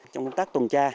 trong công tác tuần tra